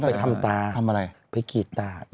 เออไปทำตาไปกีดตา